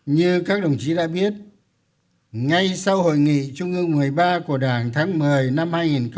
như các đồng chí đã biết ngay sau hội nghị trung ương một mươi ba của đảng tháng một mươi năm hai nghìn một mươi tám